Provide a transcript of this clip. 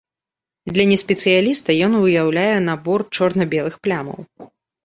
Для неспецыяліста ён уяўляе набор чорна-белых плямаў.